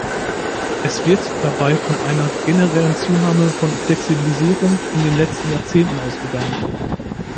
Es wird dabei von einer generellen Zunahme von Flexibilisierung in den letzten Jahrzehnten ausgegangen.